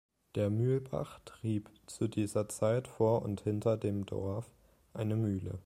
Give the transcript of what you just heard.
Der Mühlbach trieb zu dieser Zeit vor und hinter dem Dorf eine Mühle.